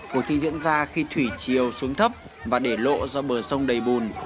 cuộc thi diễn ra khi thủy chiều xuống thấp và để lộ ra bờ sông đầy bùn